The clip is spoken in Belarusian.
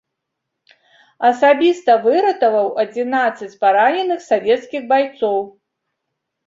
Асабіста выратаваў адзінаццаць параненых савецкіх байцоў.